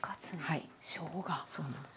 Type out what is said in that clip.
はいそうなんです。